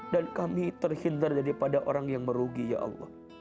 dan kami terhindar daripada orang yang merugi ya allah